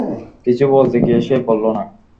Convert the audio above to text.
কিছু বলতে গিয়ে সে বলল না।